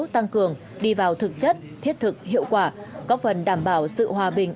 tăng cường đi vào thực chất thiết thực hiệu quả góp phần đảm bảo sự hòa bình